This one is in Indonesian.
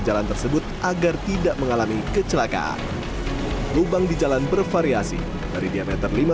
jalan tersebut agar tidak mengalami kecelakaan lubang di jalan bervariasi dari diameter lima puluh